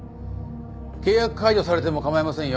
契約解除されても構いませんよ。